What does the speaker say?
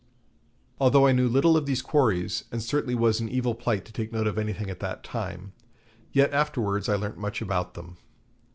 Although I knew little of these quarries, and certainly was in evil plight to take note of anything at that time, yet afterwards I learnt much about them.